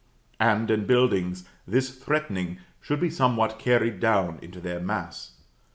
And, in buildings, this threatening should be somewhat carried down into their mass.